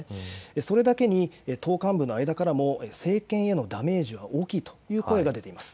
それだけに党幹部の間からも政権へのダメージは大きいという声が出ています。